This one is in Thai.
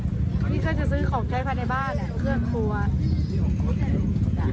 นี่ก็จะซื้อของใช้ภายในบ้านแหละเพื่อนครัว